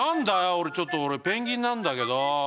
おれちょっとおれペンギンなんだけど。